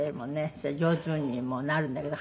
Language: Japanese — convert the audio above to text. そりゃ上手にもなるんだけど。